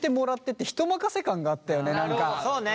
そうね。